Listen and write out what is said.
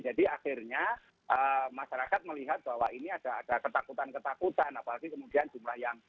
jadi akhirnya masyarakat melihat bahwa ini ada ketakutan ketakutan apalagi kemudian jumlah yang